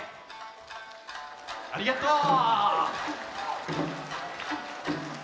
ありがとう！